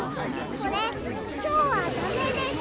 これきょうはダメです！